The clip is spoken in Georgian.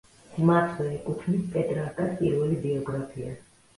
მასვე ეკუთვნის პეტრარკას პირველი ბიოგრაფია.